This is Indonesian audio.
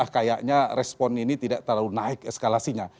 kayaknya respon ini tidak terlalu naik eskalasinya